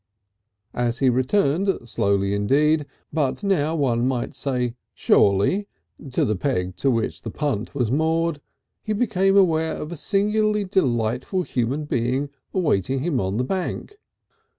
As he returned, slowly indeed, but now one might almost say surely, to the peg to which the punt was moored, he became aware of a singularly delightful human being awaiting him on the bank.